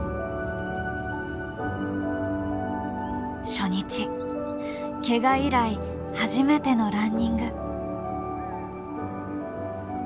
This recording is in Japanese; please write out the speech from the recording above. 初日ケガ以来初めてのランニング。